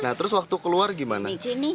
nah terus waktu keluar gimana